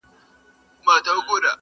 جهاني مي د پښتون غزل اسمان دی،